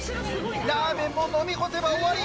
ラーメンも飲み干せば終わり。